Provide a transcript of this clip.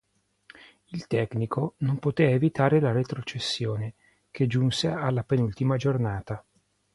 Il tecnico non poté evitare la retrocessione, che giunse alla penultima giornata.